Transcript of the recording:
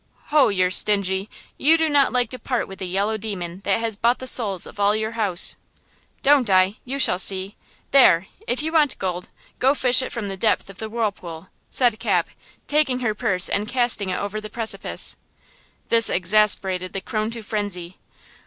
"Ho! you're stingy; you do not like to part with the yellow demon that has bought the souls of all your house!" "Don't I? You shall see! There! If you want gold, go fish it from the depth of the whirlpool," said Cap, taking her purse and casting it over the precipice. This exasperated the crone to frenzy.